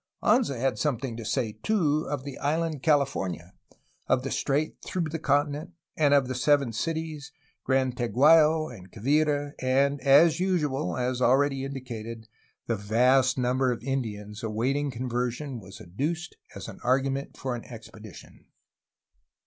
Anza had something to say, too, of the island Cali fornia, of the strait through the continent, and of the Seven Cities, GranTeguayo, andQuivira, and, as usual (as already 196 A HISTORY OF CALIFORNIA indicated), the vast number of Indians awaiting conversion was adduced as an argument for an expedition.